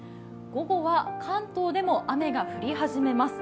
午後は関東でも雨が降り始めます。